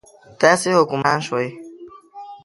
تاسې حکمران شوئ.